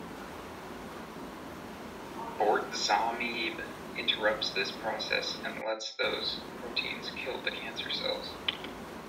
Bortezomib interrupts this process and lets those proteins kill the cancer cells.